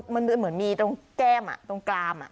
มันเหมือนมีตรงแก้มตรงกราม